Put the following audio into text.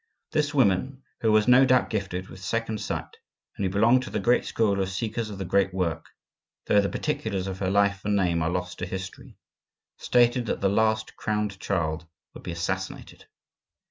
This woman, who was no doubt gifted with second sight, and who belonged to the great school of Seekers of the Great Work, though the particulars of her life and name are lost to history, stated that the last crowned child would be assassinated.